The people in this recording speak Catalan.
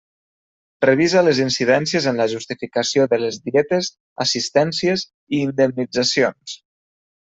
Revisa les incidències en la justificació de les dietes, assistències i indemnitzacions.